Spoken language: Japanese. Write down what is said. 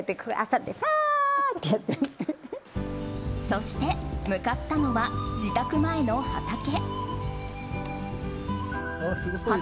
そして向かったのは自宅前の畑。